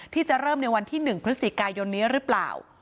ที่จะเริ่มในวันที่๑พฤศจิกายนนี้หรือเปล่า